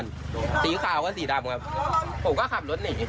อีกสิสองคันสีขาวก็สีดำก็ผมก็ขับรถหนี